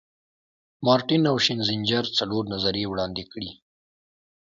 مارټین او شینزینجر څلور نظریې وړاندې کړي.